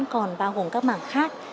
còn bao gồm các mảng khác